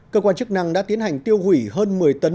cơ quan chức năng đã tiến hành tiêu hủy hơn một mươi tấn